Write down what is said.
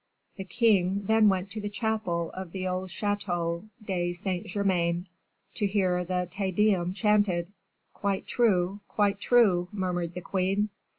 The king then went to the chapel of the old Chateau de Saint Germain, to hear the Te Deum chanted." "Quite true, quite true," murmured the queen.